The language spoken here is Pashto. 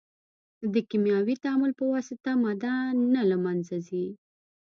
د کیمیاوي تعامل په واسطه ماده نه له منځه ځي.